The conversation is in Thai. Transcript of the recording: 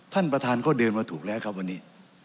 ท่านประธานก็เดินมาถูกแล้วครับวันนี้